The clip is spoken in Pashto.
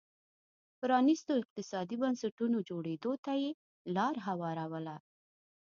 پرانيستو اقتصادي بنسټونو جوړېدو ته یې لار هواروله.